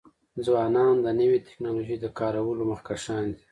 ځوانان د نوې ټکنالوژۍ د کارولو مخکښان دي.